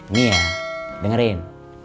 ini ya dengerin